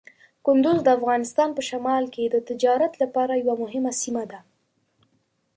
کندز د افغانستان په شمال کې د تجارت لپاره یوه مهمه سیمه ده.